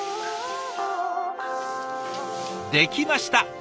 できました！